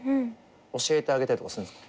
教えてあげたりとかするんですか？